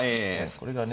これがね。